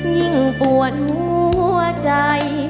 ยิ่งปวดหัวใจ